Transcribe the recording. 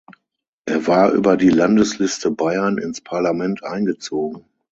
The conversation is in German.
Er war über die Landesliste Bayern ins Parlament eingezogen.